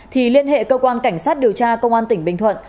thì liên hệ cơ quan cảnh sát điều tra công an tỉnh bình thuận